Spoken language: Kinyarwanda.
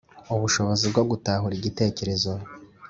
- ubushobozi bwo gutahura igitekerezo